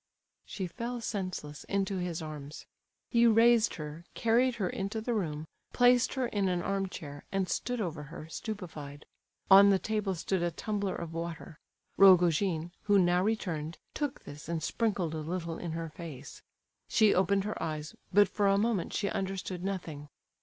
She fell senseless into his arms. He raised her, carried her into the room, placed her in an arm chair, and stood over her, stupefied. On the table stood a tumbler of water. Rogojin, who now returned, took this and sprinkled a little in her face. She opened her eyes, but for a moment she understood nothing.